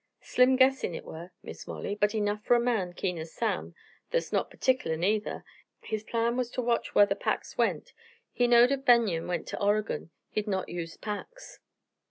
"Slim guessin' hit were, Miss Molly, but enough fer a man keen as Sam, that's not pertickler, neither. His plan was ter watch whar the packs went. He knowed ef Banion went ter Oregon he'd not use packs.